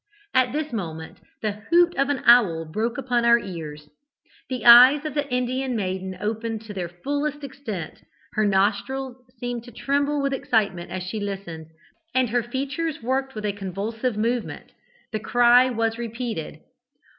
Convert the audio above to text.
At this moment the hoot of an owl broke upon our ears. The eyes of the Indian maiden opened to their fullest extent: her nostrils seemed to tremble with excitement as she listened, and her features worked with a convulsive movement. The cry was repeated.